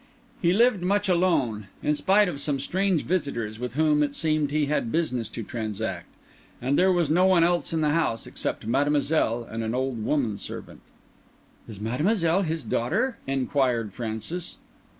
He lived much alone, in spite of some strange visitors with whom, it seemed, he had business to transact; and there was no one else in the house, except Mademoiselle and an old woman servant. "Is Mademoiselle his daughter?" inquired Francis.